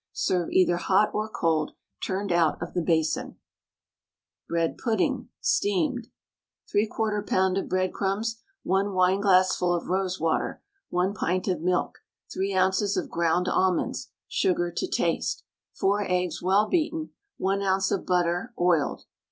Serve either hot or cold, turned out of the basin. BREAD PUDDING (STEAMED). 3/4 lb. of breadcrumbs, 1 wineglassful of rosewater, 1 pint of milk, 3 oz. of ground almonds, sugar to taste, 4 eggs well beaten, 1 oz. of butter (oiled).